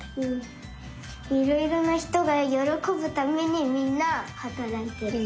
いろいろなひとがよろこぶためにみんなはたらいてる。